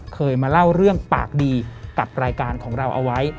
เคยมาเล่าเรื่องปากดีกับรายการของเราเอาไว้